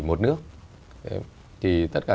một nước thì tất cả